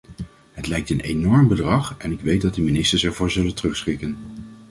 Het lijkt een enorm bedrag en ik weet dat de ministers ervoor zullen terugschrikken.